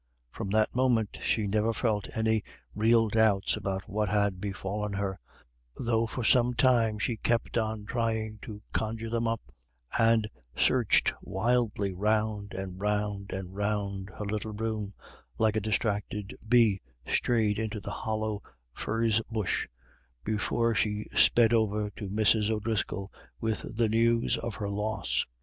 From that moment she never felt any real doubts about what had befallen her, though for some time she kept on trying to conjure them up, and searched wildly round and round and round her little room, like a distracted bee strayed into the hollow furze bush, before she sped over to Mrs. O'Driscoll with the news of her loss.